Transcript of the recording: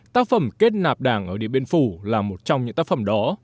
tác phẩm kết nạp đảng ở điện biên phủ là một trong những tác phẩm đó